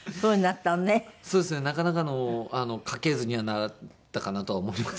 そうですねなかなかの家系図にはなったかなとは思います。